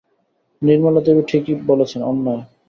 নির্মলা দেবী ঠিক বলেছেন– অন্যায়!